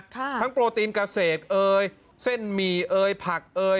ทั้งโปรตีนเกษตรเส้นหมี่ผัก